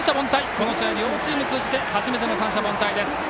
この試合、両チーム通じて初めての三者凡退です。